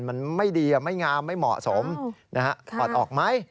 มันไม่ดีไม่งามไม่เหมาะสมนะฮะถอดออกไหม